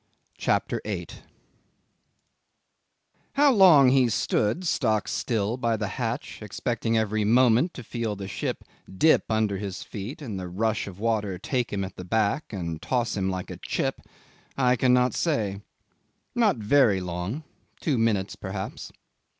CHAPTER 8 'How long he stood stock still by the hatch expecting every moment to feel the ship dip under his feet and the rush of water take him at the back and toss him like a chip, I cannot say. Not very long two minutes perhaps.